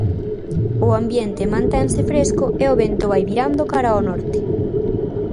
O ambiente mantense fresco e o vento vai virando cara ao norte.